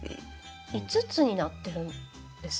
５つになってるんですね。